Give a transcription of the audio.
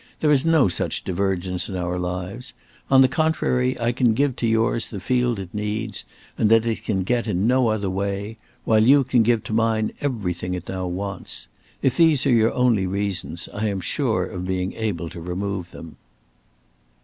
There is no such divergence in our lives. On the contrary I can give to yours the field it needs, and that it can get in no other way; while you can give to mine everything it now wants. If these are your only reasons I am sure of being able to remove them."